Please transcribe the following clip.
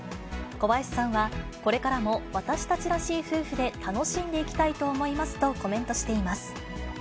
小林さんはこれからも私たちらしい夫婦で楽しんでいきたいと思いますとコメントしています。